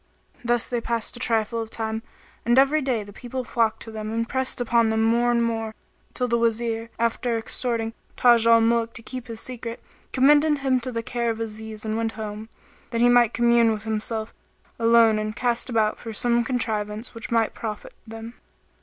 Thus they passed a trifle of time, and every day the people flocked to them and pressed upon them more and more, till the Wazir, after exhorting Taj al Muluk to keep his secret, commended him to the care of Aziz and went home, that he might commune with himself alone and cast about for some contrivance which might profit them.